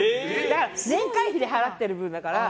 年会費で払ってるから。